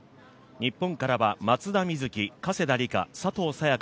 日本から松田瑞生、加世田梨花、佐藤早也伽。